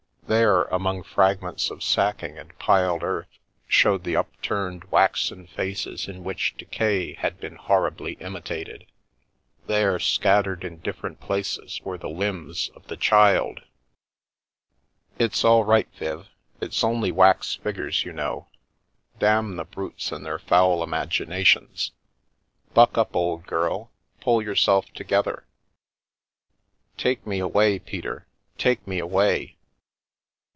There, among frag ments of sacking and piled earth, showed the upturned waxen faces in which decay had been horribly imitated ; there, scattered in different places, were the limbs of the child " It's all right, Viv ! It's only wax figures, you know ! Damn the brutes and their foul imaginations ! Buck up, old girl ; pull yourself together !"" Take me away, Peter ! Take me away